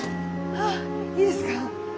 あいいですか？